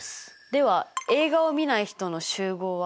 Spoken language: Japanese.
では映画をみない人の集合は？